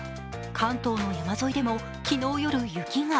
関東の山沿いでも昨日夜雪が。